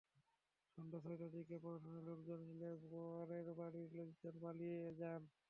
সন্ধ্যা ছয়টার দিকে প্রশাসনের লোকজন এলে বরের বাড়ির লোকজন পালিয়ে যান।